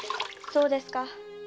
そうですか。